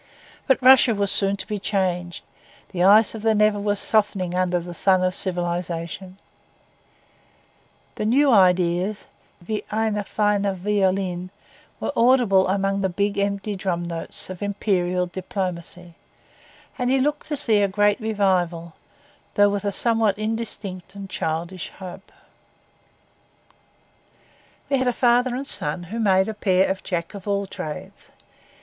But Russia was soon to be changed; the ice of the Neva was softening under the sun of civilisation; the new ideas, 'wie eine feine Violine,' were audible among the big empty drum notes of Imperial diplomacy; and he looked to see a great revival, though with a somewhat indistinct and childish hope. We had a father and son who made a pair of Jacks of all trades.